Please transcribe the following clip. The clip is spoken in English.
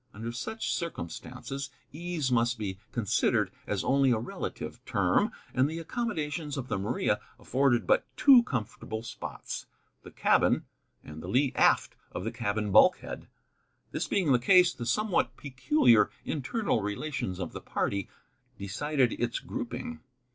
Under such circumstances ease must be considered as only a relative term; and the accommodations of the Maria afforded but two comfortable spots, the cabin, and the lea aft of the cabin bulkhead. This being the case, the somewhat peculiar internal relations of the party decided its grouping.